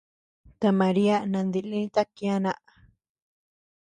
Ta Maria nandilïta kiana.